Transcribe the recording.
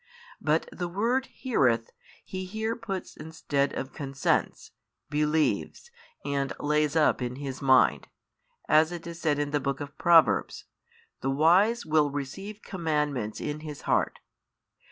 But the word heareth, He here puts instead of Consents, believes and lays up in his mind, as it is said in the book of Proverbs, The wise will receive commandments in his heart.